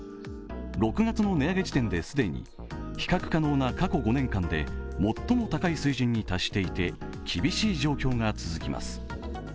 ６月の値上げ時点で既に比較可能な過去５年間で最も高い水準に達していて厳しい状況が続きます。